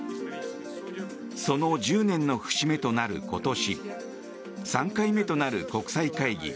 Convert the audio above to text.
その１０年の節目となる今年３回目となる国際会議